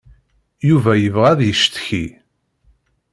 Yuba yebɣa ad yeccetki.